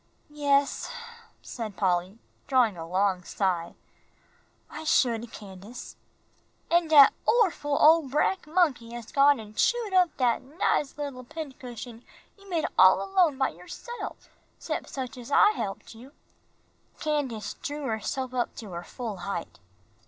"Yes," said Polly, drawing a long sigh, "I should, Candace." "An' dat orful ole brack monkey has done gone an' chewed up dat nice little pincushion you made all alone by yourself, 'xcept such as I helped you." Candace drew herself up to her full height.